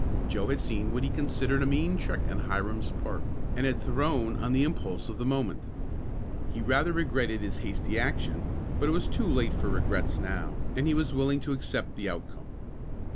Joe had seen what he considered a mean trick on Hiram's part and had thrown on the impulse of the moment. He rather regretted his hasty action, but it was too late for regrets now, and he was willing to accept the outcome.